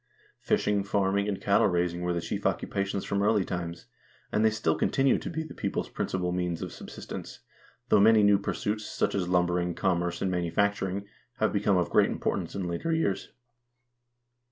Fishing, farming, and cattle raising were the chief occupations from early times, and they still continue to be the people's principal means of subsistence, though many new pursuits, such as lumbering, commerce, and manufacturing, have become of great importance in later years.